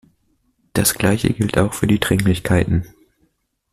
Das gleiche gilt auch für die Dringlichkeiten.